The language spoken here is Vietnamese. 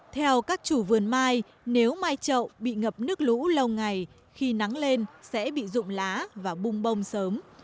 theo các chủ vườn mai nếu mai trậu bị ngập nước lũ lâu ngày khi nắng lên sẽ bị rụng lá và bung bông sớm